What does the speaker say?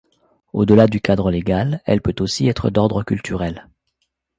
Au-delà du cadre légal, elle peut être aussi d'ordre culturel.